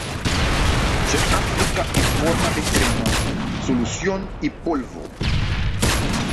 Se aplica en forma de crema, solución y polvo.